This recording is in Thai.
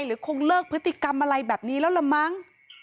คงเลิกพฤติกรรมอะไรแบบนี้แล้วละมั้ง